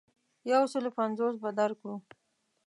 یو سلو پنځوس به درکړو.